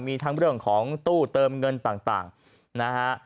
มีทั้งเรื่องของตู้เติมเงินต่างนะฮะ